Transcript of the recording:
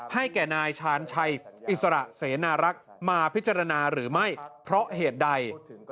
ให้แก่นายชาญชัยอิสระเสนารักษ์มาพิจารณาหรือไม่เพราะเหตุใด